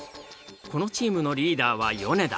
このチームのリーダーは米田。